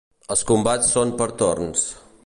Els combats són per torns.